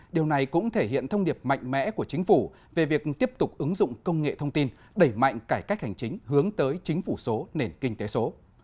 điều này cũng thể hiện thông điệp mạnh mẽ của chính phủ về việc tiếp tục ứng dụng công nghệ thông tin đẩy mạnh cải cách hành chính hướng tới chính phủ số nền kinh tế số